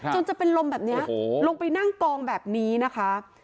จนจะเป็นลมแบบนี้ลงไปนั่งกองแบบนี้นะคะ